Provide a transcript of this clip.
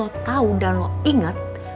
harus lo tau dan lo inget